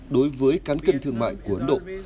đối với cán cân thương mại của ấn độ